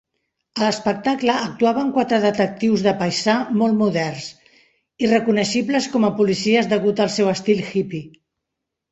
A l'espectacle actuaven quatre detectius de paisà molt moderns: irreconeixibles com a policies degut al seu estil hippy.